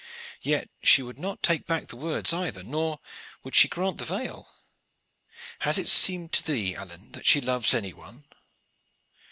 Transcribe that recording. Yet she would not take back the words either, nor would she grant the veil. Has it seemed to thee, Alleyne, that she loves any one?"